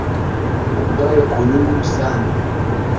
ubwayo ku nyungu rusange